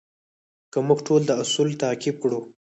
که موږ ټول دا اصول تعقیب کړو.